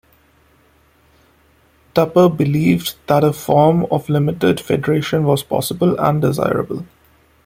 Tupper believed that a form of limited federation was possible and desirable.